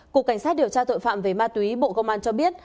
cục cảnh sát điều tra tội phạm về ma túy bộ công an cho biết